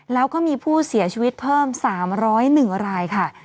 แล้วก็มีผู้เสียชีวิตเพิ่ม๓๐๑รายค่ะ